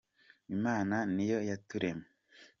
Imana niyo yaturemye.